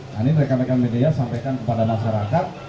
nah ini mereka mereka media sampaikan kepada masyarakat